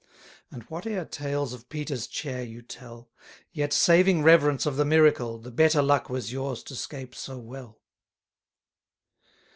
And whate'er tales of Peter's chair you tell, Yet, saving reverence of the miracle, The better luck was yours to 'scape so well.